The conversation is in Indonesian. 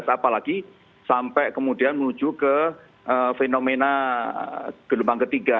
apalagi sampai kemudian menuju ke fenomena gelombang ketiga